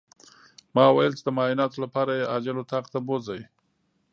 ما ويل چې د معايناتو لپاره يې عاجل اتاق ته بوځئ.